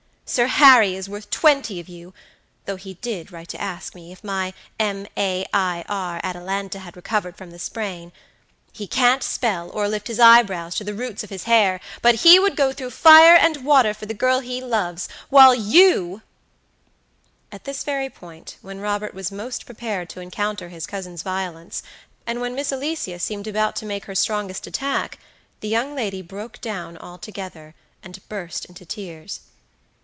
Sir Harry is worth twenty of you, though he did write to ask if my m a i r Atalanta had recovered from the sprain. He can't spell, or lift his eyebrows to the roots of his hair; but he would go through fire and water for the girl he loves; while you" At this very point, when Robert was most prepared to encounter his cousin's violence, and when Miss Alicia seemed about to make her strongest attack, the young lady broke down altogether, and burst into tears.